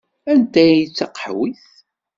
Anta i d taqehwit?